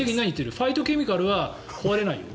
ファイトケミカルは壊れないよ？